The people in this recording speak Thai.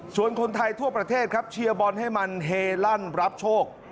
ส่วนคนไทยทั่วประเทศครับเชียร์บอลให้มันเฮลั่นรับโชค